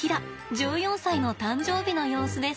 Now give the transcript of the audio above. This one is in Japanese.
１４歳の誕生日の様子です。